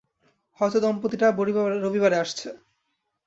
হয়তো দম্পতিটা রবিবারে আসছে।